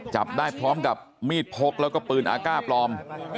จับได้พร้อมกับมีดพกแล้วก็ปืนอากาศปลอม